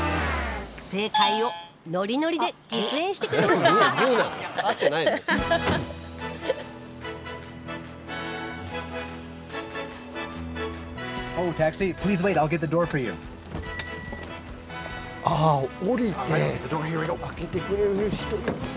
正解をノリノリで実演してくれましたああ降りて開けてくれる人いるね。